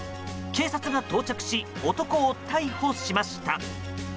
警察が到着し男を逮捕しました。